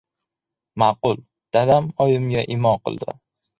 Ma’qul! - Dadam oyimga imo qildi.